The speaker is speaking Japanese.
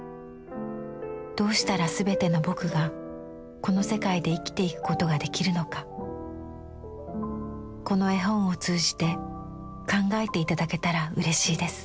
どうしたらすべての『ぼく』がこの世界で生きていくことができるのかこの絵本をつうじて考えていただけたらうれしいです」。